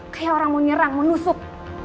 kayak orang mau nyerang mau nusuk